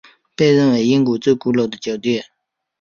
被认为是英国最古老的酒店。